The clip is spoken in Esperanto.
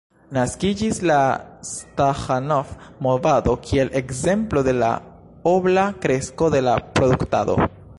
Naskiĝis la Staĥanov-movado kiel ekzemplo de la obla kresko de la produktado.